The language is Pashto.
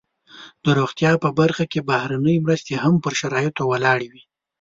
د روغتیا په برخه کې بهرنۍ مرستې هم پر شرایطو ولاړې وي.